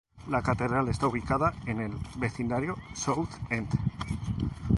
La catedral está ubicada en el vecindario South End.